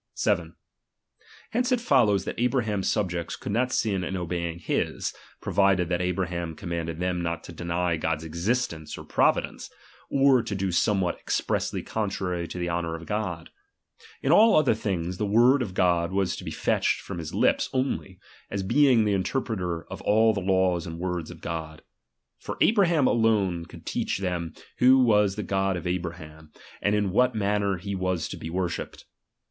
7 Hence it follows, that Abraham's subjects :*^*" ia.™is, could not sin in obeying him, provided that Abra^ in in oboj ham commanded them not to deny God's existence or providence, or to do somewhat expressly con trary to the honour of God. In all other things, the word of God was to be fetched from his lips only, as being the interpreter of all the laws and words of God. For Abraham alone could teach them who was the God of Abraham, and in what manner he was to be worshipped.